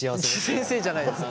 先生じゃないです。